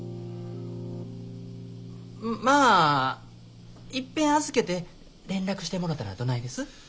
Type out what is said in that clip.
まあいっぺん預けて連絡してもろたらどないです？